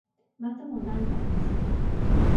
ma tomo Lantan li suli.